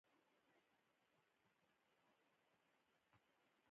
د اوښانو او انسانانو کاروان مکې نه روان شو.